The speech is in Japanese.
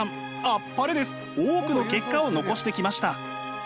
多くの結果を残してきました。